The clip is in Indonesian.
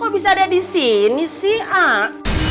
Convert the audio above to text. kok bisa ada di sini sih ak